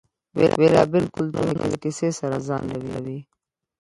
بیلابیل کلتورونه له کیسې سره ځان نښلوي.